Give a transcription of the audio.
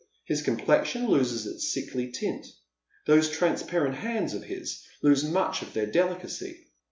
His complexion loses its sickly tint. Tliose transparent hands of his lose much of their delicacy.